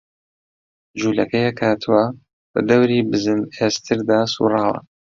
جوولەکەیەک هاتووە، بە دەوری بزن ئێستردا سووڕاوە